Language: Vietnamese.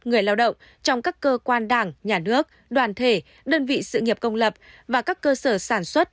người lao động trong các cơ quan đảng nhà nước đoàn thể đơn vị sự nghiệp công lập và các cơ sở sản xuất